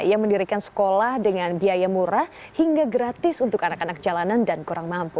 ia mendirikan sekolah dengan biaya murah hingga gratis untuk anak anak jalanan dan kurang mampu